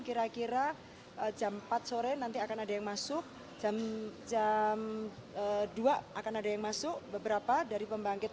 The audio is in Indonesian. kira kira jam empat sore nanti akan ada yang masuk jam dua akan ada yang masuk beberapa dari pembangkit